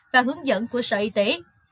và hướng dẫn của sở y tế